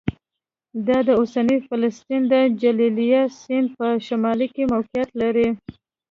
دا د اوسني فلسطین د جلیلیه سیند په شمال کې موقعیت لري